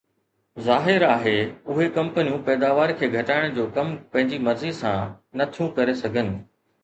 ظاهر آهي، اهي ڪمپنيون پيداوار کي گهٽائڻ جو ڪم پنهنجي مرضي سان نه ٿيون ڪري سگهن